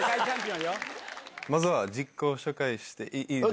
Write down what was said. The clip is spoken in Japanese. まずは自己紹介していいです